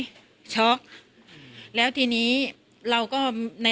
กินโทษส่องแล้วอย่างนี้ก็ได้